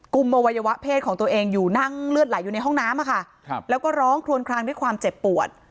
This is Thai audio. อวัยวะเพศของตัวเองอยู่นั่งเลือดไหลอยู่ในห้องน้ำแล้วก็ร้องคลวนคลางด้วยความเจ็บปวด